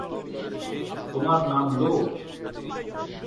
তোমার নাম লো?